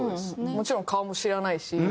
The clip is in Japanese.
もちろん顔も知らないし。